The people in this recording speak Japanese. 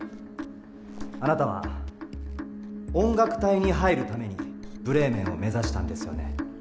あなたは音楽隊に入るためにブレーメンを目指したんですよね？